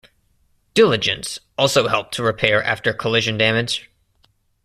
"Diligence" also helped to repair after collision damage.